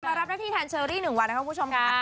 มารับหน้าที่แทนเชอรี่หนึ่งวันนะครับผู้ชมค่ะ